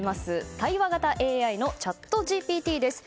対話型ＡＩのチャットＧＰＴです。